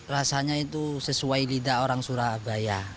rasanya itu sesuai lidah orang surabaya